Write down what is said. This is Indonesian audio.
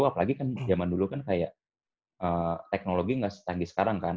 apalagi kan zaman dulu kan kayak teknologi nggak setanji sekarang kan